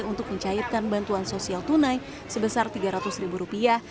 untuk mencairkan bantuan sosial tunai sebesar tiga ratus ribu rupiah